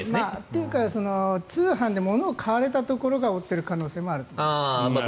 というか通販で物を買われたところが負っている可能性もあると思います。